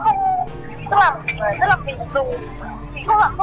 mình không dùng tức là mình chỉ nhìn thấy hôi